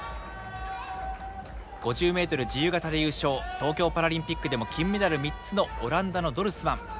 東京パラリンピックでも金メダル３つのオランダのドルスマン。